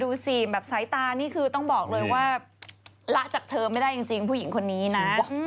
ดูสิแบบสายตานี่คือต้องบอกเลยว่าละจากเธอไม่ได้จริงผู้หญิงคนนี้นะ